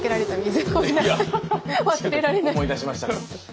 思い出しましたか？